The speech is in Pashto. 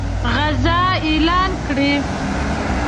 غزا اعلان کړي.